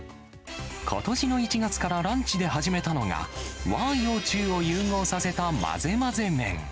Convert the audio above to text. ことしの１月からランチで始めたのが、和・洋・中を融合させた混ぜ混ぜ麺。